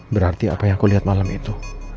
berarti apa yang aku lihat malam itu